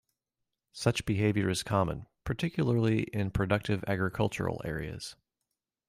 Such behaviour is common, particularly in productive agricultural areas.